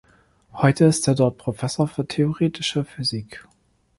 Heute ist er dort Professor für theoretische Physik.